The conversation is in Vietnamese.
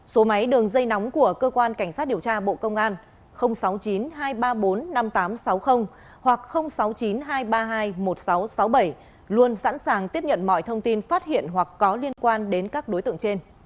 số máy đường dây nóng của cơ quan cảnh sát điều tra bộ công an sáu mươi chín hai trăm ba mươi bốn năm nghìn tám trăm sáu mươi hoặc sáu mươi chín hai trăm ba mươi hai một nghìn sáu trăm sáu mươi bảy luôn sẵn sàng tiếp nhận mọi thông tin phát hiện hoặc có liên quan đến các đối tượng trên